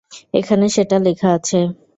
এখানে সেটা লেখা আছে।